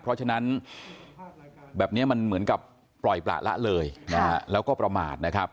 เพราะฉะนั้นแบบนี้มันเหมือนกับปล่อยประละเลยแล้วก็ประมาทนะครับ